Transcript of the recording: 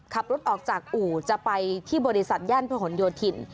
ขับรถออกจากอู่จะไปที่บริษัทย่านพระหลโยธิน